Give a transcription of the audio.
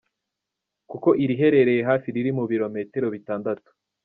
kuko iriherereye hafi riri mu birometero bitandatu.